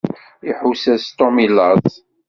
Iḥuss-as Tom i laẓ.